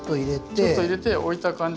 ちょっと入れて置いた感じで。